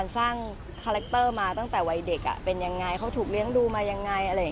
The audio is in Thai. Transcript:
สร้างคาแรคเตอร์มาตั้งแต่วัยเด็กเป็นยังไงเขาถูกเลี้ยงดูมายังไงอะไรอย่างนี้